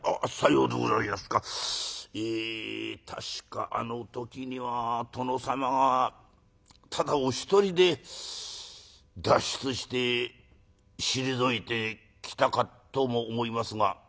確かあの時には殿様がただお一人で脱出して退いてきたかとも思いますが」。